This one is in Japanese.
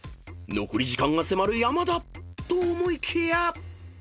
［残り時間が迫る山田と思いきや］